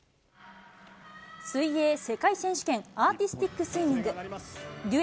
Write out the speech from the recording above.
水泳世界選手権アーティスティックスイミング。